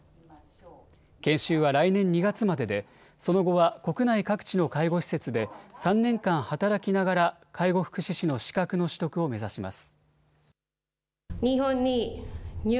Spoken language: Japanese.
研修は来年２月まででその後は国内各地の介護施設で３年間働きながら介護福祉士の資格の取得を目指します。